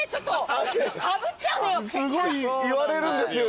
すごい言われるんですよく。